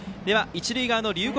一塁側の龍谷